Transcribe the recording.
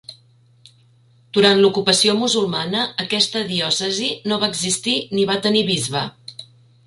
Durant l'ocupació musulmana, aquesta diòcesi no va existir ni va tenir bisbe.